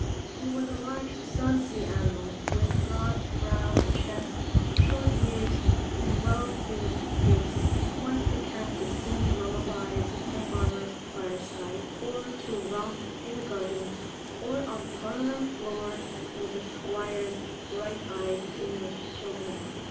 He was a large "sonsy" animal, with broad brow and chest, short ears, and well pleased face, quite the cat to sing lullabies at the farmer's fireside, or to romp in garden or on parlour floor with the squire's bright eyed English children.